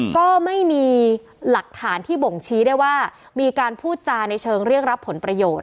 ก็ไม่มีหลักฐานที่บ่งชี้ได้ว่ามีการพูดจาในเชิงเรียกรับผลประโยชน์